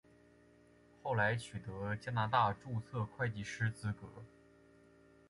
后来取得加拿大注册会计师资格。